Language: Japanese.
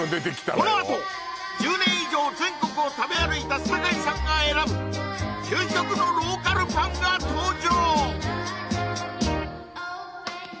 このあと１０年以上全国を食べ歩いた酒井さんが選ぶ究極のローカルパンが登場！